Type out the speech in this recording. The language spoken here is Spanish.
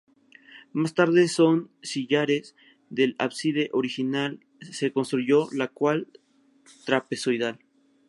Más tarde, con sillares del ábside original, se construyó la actual, trapezoidal.